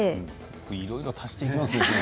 いろいろ足していきますね。